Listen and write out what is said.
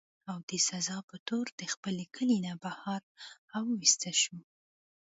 او د سزا پۀ طور د خپل کلي نه بهر اوويستی شو